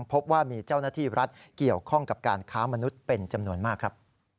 พบว่ามีเจ้าหน้าที่รัฐเกี่ยวข้องกับการค้ามนุษย์เป็นจำนวนมากครับ